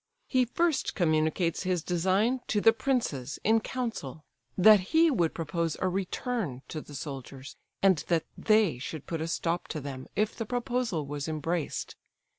He first communicates his design to the princes in council, that he would propose a return to the soldiers, and that they should put a stop to them if the proposal was embraced.